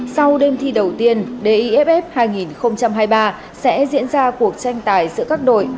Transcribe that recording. sau đêm thi đầu tiên d iff hai nghìn hai mươi ba sẽ diễn ra cuộc tranh tài giữa các đội